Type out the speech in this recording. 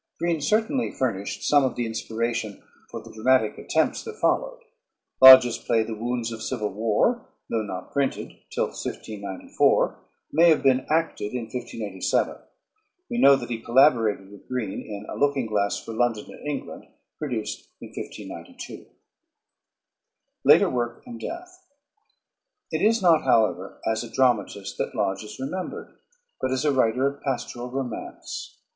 Greene certainly furnished some of the inspiration for the dramatic attempts that followed. Lodge's play, "The Wounds of Civil War," though not printed till 1594, may have been acted in 1587. We know that he collaborated with Greene in "A Looking Glass for London and England," produced in 1592. Later Work and Death. It is not, however, as a dramatist that Lodge is remembered, but as a writer of pastoral romance.